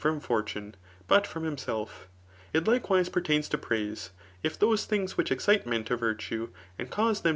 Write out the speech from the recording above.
£doiii fortune, but from himsel£ It likewise pertains toi piatae, if those things which excite men [to virtue} andr cause them.